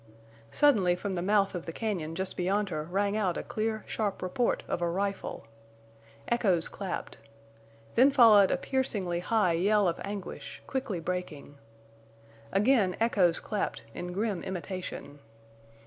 Suddenly from the mouth of the cañon just beyond her rang out a clear, sharp report of a rifle. Echoes clapped. Then followed a piercingly high yell of anguish, quickly breaking. Again echoes clapped, in grim imitation.